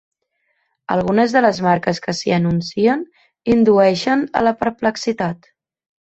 Algunes de les marques que s'hi anuncien indueixen a la perplexitat.